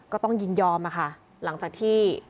ก็ต้องยินยอมอะค่ะหลังจากที่